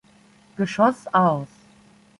Geschoss aus.